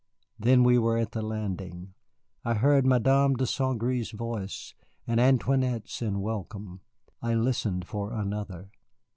Then we were at the landing. I heard Madame de St. Gré's voice, and Antoinette's in welcome I listened for another.